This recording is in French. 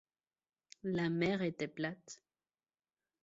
La mer était plate.